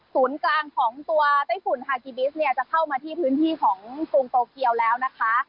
ศูนย์กลางของตัวไต้ฝุ่นฮากิบิสเนี่ยจะเข้ามาที่พื้นที่ของกรุงโตเกียวแล้วนะคะ